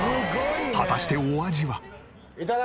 果たしてお味は？